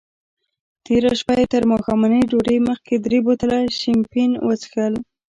تېره شپه یې تر ماښامنۍ ډوډۍ مخکې درې بوتله شیمپین وڅیښل.